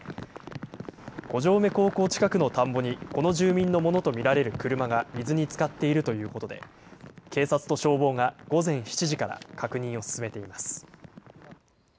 五城目高校近くの田んぼにこの住民のものと見られる車が水につかっているということで警察と消防が午前７時から確認を進めています。